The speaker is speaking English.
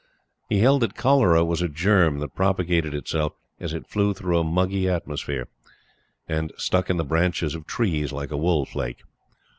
He held that cholera was a germ that propagated itself as it flew through a muggy atmosphere; and stuck in the branches of trees like a wool flake.